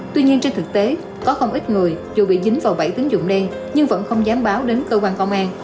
tuy nhiên trên thực tế có không ít người dù bị dính vào bẫy tín dụng đen nhưng vẫn không dám báo đến cơ quan công an